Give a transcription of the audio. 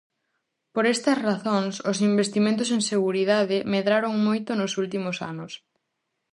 Por estas razóns, os investimentos en seguridade medraron moito nos últimos anos.